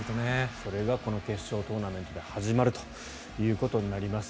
それがこの決勝トーナメントで始まるということになります。